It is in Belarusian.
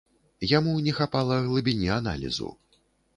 Яму не хапала глыбіні аналізу.